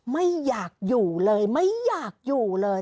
ไม่อยากอยู่เลยไม่อยากอยู่เลย